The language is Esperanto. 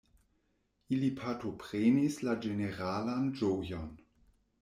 Ili partoprenis la ĝeneralan ĝojon.